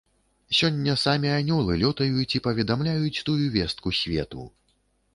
Сёння самі анёлы лётаюць і паведамляюць тую вестку свету.